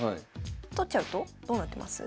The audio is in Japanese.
取っちゃうとどうなってます？